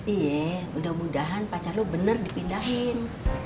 iya mudah mudahan pacar lu bener dipindahin